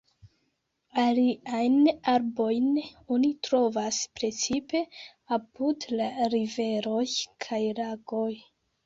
Aliajn arbojn oni trovas precipe apud la riveroj kaj lagoj.